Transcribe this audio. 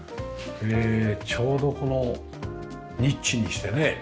ちょうどこのニッチにしてね。